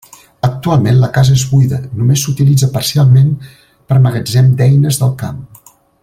Actualment la casa és buida, només s'utilitza parcialment per magatzem d'eines del camp.